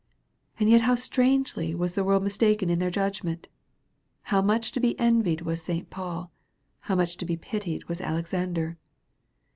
And yet how strangely was the world mistaken in their judgment! How much to be envied was St. Paul! How much to be pitied was Alexander!